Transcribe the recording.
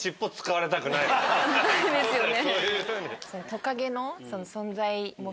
ないですよね。